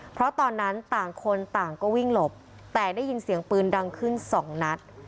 เพราะตอนนั้นต่างคนต่างก็วิ่งหลบแต่ได้ยินเสียงปืนดังขึ้นสองนัด